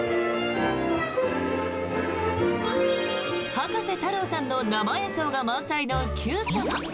葉加瀬太郎さんの生演奏が満載の「Ｑさま！！」。